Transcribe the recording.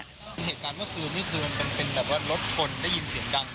เหตุการณ์เมื่อคืนเมื่อคืนมันเป็นแบบว่ารถชนได้ยินเสียงดัง